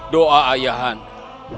doa ayah anda